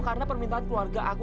ketua perempuan tau gak